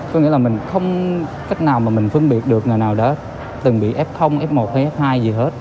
có nghĩa là mình không cách nào mà mình phân biệt được ngày nào đó từng bị f f một hay f hai gì hết